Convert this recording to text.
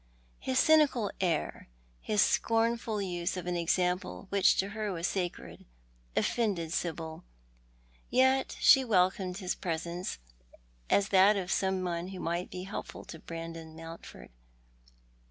His cynical air, his scornful use of an example which to her was sacred, offended Sil)yl. Yet she welcomed his presence, as that of someone who might be helpful to Brandon ^Mountford.